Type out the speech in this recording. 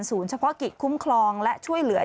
เฉพาะกิจคุ้มครองและช่วยเหลือ